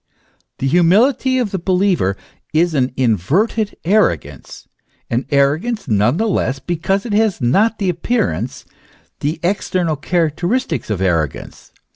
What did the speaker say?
The humility of the believer is an inverted arrogance, an arrogance none the less because it has not the appearance, the external characteristics of arrogance.